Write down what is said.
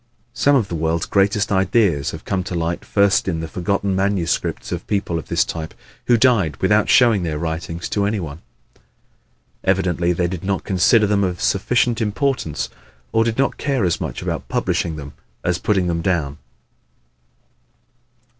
Some of the world's greatest ideas have come to light first in the forgotten manuscripts of people of this type who died without showing their writings to any one. Evidently they did not consider them of sufficient importance or did not care as much about publishing them as about putting them down.